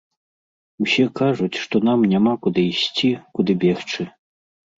Усе кажуць, што нам няма куды ісці, куды бегчы.